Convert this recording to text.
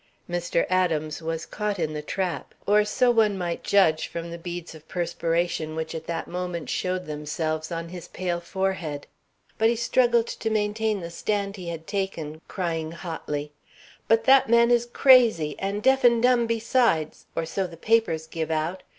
Mr. Adams was caught in the trap, or so one might judge from the beads of perspiration which at that moment showed themselves on his pale forehead. But he struggled to maintain the stand he had taken, crying hotly: "But that man is crazy, and deaf and dumb besides! or so the papers give out.